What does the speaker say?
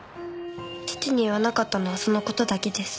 父に言わなかったのはその事だけです。